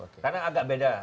karena agak beda